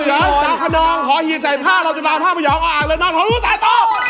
หอเสือนจ้าขนองหอหี่ใจผ้าเราจะลาวท่ามะยองออกอากเลยนอนหอหูตายต่อ